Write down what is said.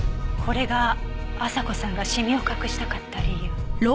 これが朝子さんがシミを隠したかった理由。